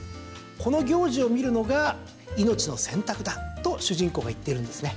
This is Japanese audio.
この行事を見るのが命の洗濯だと主人公が言っているんですね。